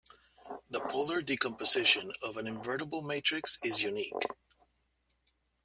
The polar decomposition of an invertible matrix is unique.